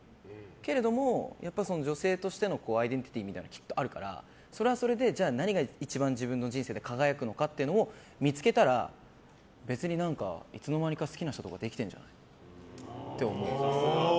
けれども、女性としてのアイデンティティーみたいなものはきっとあるからそれはそれで、じゃあ何が一番自分の人生で輝くのかっていうのを見つけたら別に、いつの間にか好きな人とかできてんじゃない？って思う。